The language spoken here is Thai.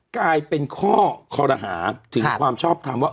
กลายเป็นข้อคอรหาถึงความชอบทำว่า